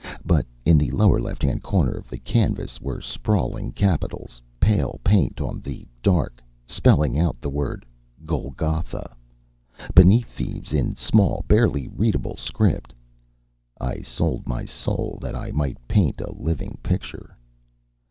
But in the lower left hand corner of the canvas were sprawling capitals, pale paint on the dark, spelling out the word GOLGOTHA. Beneath these, in small, barely readable script: _I sold my soul that I might paint a living picture.